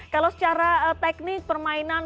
kalau secara teknik permainan